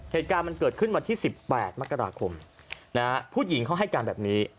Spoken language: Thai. เหตุการณ์มันเกิดขึ้นวันที่๑๘มกราคมผู้หญิงเขาให้การแบบนี้